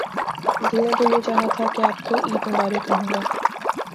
دل نے تو یہ چاہا تھا کہ آپ کو عید مبارک کہوں گا۔